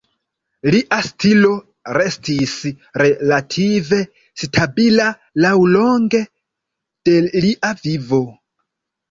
Lia stilo restis relative stabila laŭlonge de lia vivo.